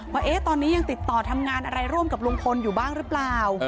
ว่าตอนนี้ยังติดต่อทำงานอะไรร่วมกับลุงพลอยู่บ้างหรือเปล่า